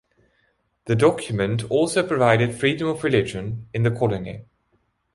The document also provided freedom of religion in the colony.